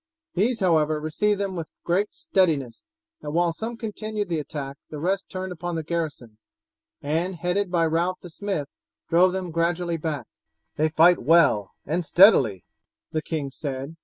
These, however, received them with great steadiness, and while some continued the attack the rest turned upon the garrison, and, headed by Ralph the smith, drove them gradually back. "They fight well and steadily," the king said.